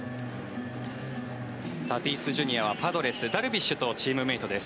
タティスＪｒ．はパドレスダルビッシュとチームメートです。